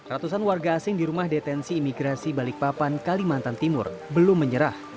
ratusan warga asing di rumah detensi imigrasi balikpapan kalimantan timur belum menyerah